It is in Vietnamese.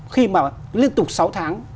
khi mà liên tục sáu tháng